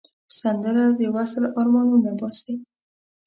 سندره د وصل آرمانونه باسي